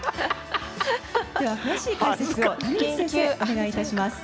では詳しい解説を谷口先生お願いいたします。